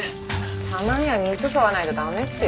たまには肉食わないとダメっすよ。